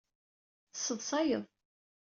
Teṣṣeḍṣayeḍ.